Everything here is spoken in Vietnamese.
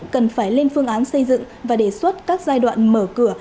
cần phải lên phương án xây dựng và đề xuất các giai đoạn mở cửa